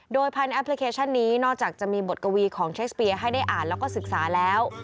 โดยผ่านแอปพลิเคชันนี้นอกจากจะมีบทกวีของเชสเปียให้ได้อ่านแล้วก็ศึกษาแล้ว